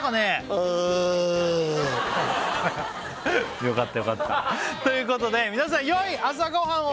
はーいよかったよかったということで皆さんよい朝ごはんを！